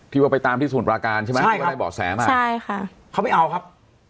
พี่ว่าไปตามที่ส่วนปลาการใช่ไหมใช่ครับเขาไม่เอาครับ